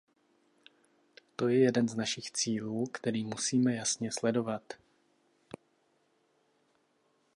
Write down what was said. To je jeden z našich cílů, který musíme jasně sledovat.